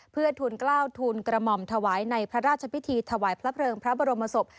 เพื่อทูลกล้าวทูลกระหม่อมถวายในพระราชพิธีถวายพระเพลิงพระบรมศพ